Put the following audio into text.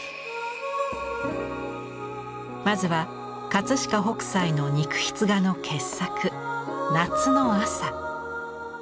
まずは飾北斎の肉筆画の傑作「夏の朝」。